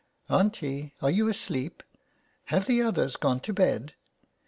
"Auntie, are you asleep? Have the others gone to bed?"